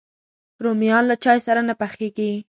رومیان له چای سره نه پخېږي